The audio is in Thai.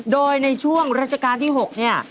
โดยในช่วงราชการที่๖เนี่ย